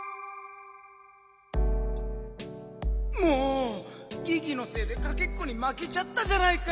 もうギギのせいでかけっこにまけちゃったじゃないか！